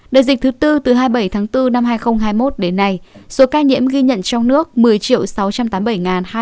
đợt dịch thứ bốn từ hai mươi bảy tháng bốn năm hai nghìn hai mươi một đến nay số ca nhiễm ghi nhận trong nước một mươi sáu trăm tám mươi bảy hai trăm tám mươi ba ca